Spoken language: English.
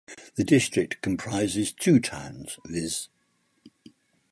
The district comprises two towns viz.